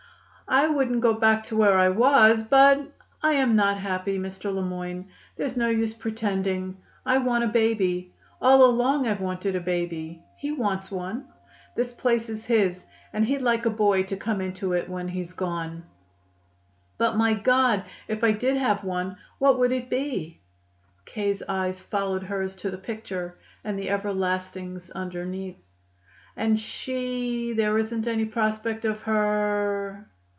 "I wouldn't go back to where I was, but I am not happy, Mr. Le Moyne. There's no use pretending. I want a baby. All along I've wanted a baby. He wants one. This place is his, and he'd like a boy to come into it when he's gone. But, my God! if I did have one; what would it be?" K.'s eyes followed hers to the picture and the everlastings underneath. "And she there isn't any prospect of her